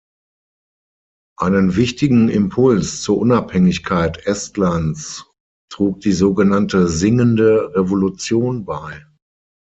Einen wichtigen Impuls zur Unabhängigkeit Estlands trug die sogenannte Singende Revolution bei.